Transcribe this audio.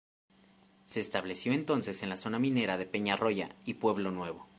Se estableció entonces en la zona minera de Peñarroya y Pueblo Nuevo.